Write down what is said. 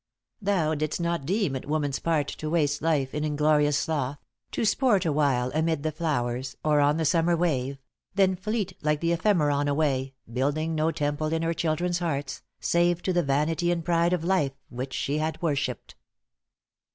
```Thou didst not deem it woman's part to waste ```Life in inglorious sloth, to sport awhile ```Amid the flowers, or on the summer wave, ```Then fleet like the ephemeron away, ```Building no temple in her children's hearts, ```Save to the vanity and pride of life ```Which she had worshipped."